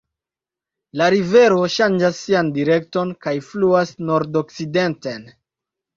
La rivero ŝanĝas sian direkton kaj fluas nordokcidenten.